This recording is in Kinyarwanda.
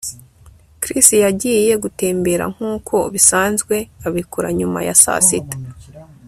Chris yagiye gutembera nkuko bisanzwe abikora nyuma ya saa sita